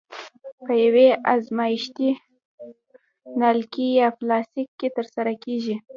په یوې ازمایښتي نلکې یا فلاسک کې ترسره کیږي.